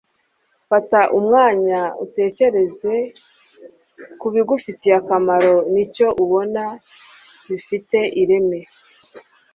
Fata umwanya utekereze kubigufitiye akamaro nicyo ubona bifite ireme.